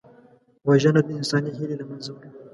وژنه د انساني هیلې له منځه وړي